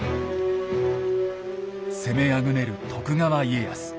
攻めあぐねる徳川家康。